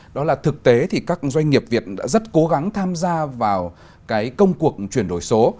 đó là thực tế thì các doanh nghiệp việt đã rất cố gắng tham gia vào công cuộc chuyển đổi số